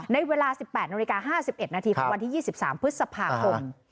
ในเวลา๑๘น๕๑นของวันที่๒๓พฤษภาคม